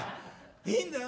「いいんだよ。